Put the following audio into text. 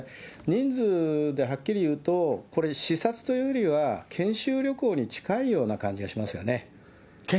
人数ではっきり言うと、これ視察というよりは、研修旅行に近いような感じがしますよね。